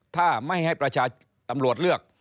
ถ้าไม่ให้ประชาชนตำรวจเลือก